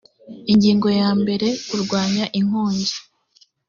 ingingo ya mbere kurwanya inkongi